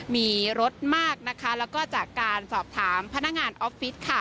มีลดมากแล้วก็จากการสอบถามพนักงานออฟฟิศ